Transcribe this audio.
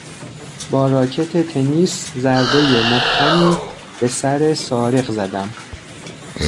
با راکت تنیس ضربهی محکمی به سر سارق زدم.